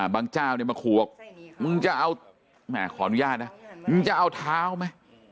เจ้าเนี่ยมาขู่มึงจะเอาแหมขออนุญาตนะมึงจะเอาเท้าไหม